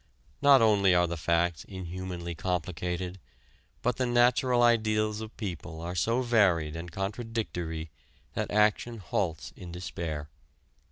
Not only are the facts inhumanly complicated, but the natural ideals of people are so varied and contradictory that action halts in despair.